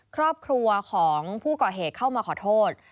ครอบครัวของผู้ก่อเหตุเข้ามาขอโทษ